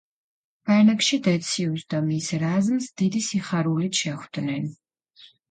ბანაკში დეციუსს და მის რაზმს დიდი სიხარულით შეხვდნენ.